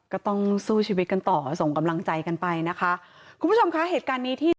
ก็ต้องสู้ชีวิตกันต่อส่งกำลังใจกันไปนะคะ